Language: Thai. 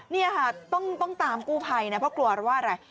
นี่ค่ะต้องตามกู้ภัยนะเพราะกลัวว่าอะไร